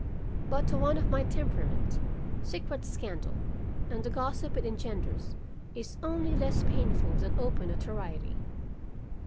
But to one of my temperament, secret scandal and the gossip it engenders is only less painful than open notoriety.